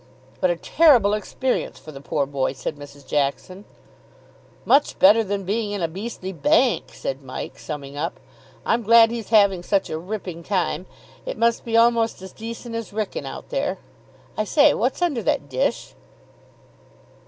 "What a terrible experience for the poor boy!" said Mrs. Jackson. "Much better than being in a beastly bank," said Mike, summing up. "I'm glad he's having such a ripping time. It must be almost as decent as Wrykyn out there.... I say, what's under that dish?"